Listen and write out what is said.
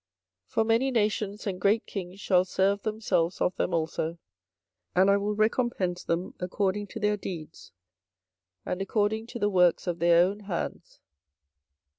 24:025:014 For many nations and great kings shall serve themselves of them also: and I will recompense them according to their deeds, and according to the works of their own hands.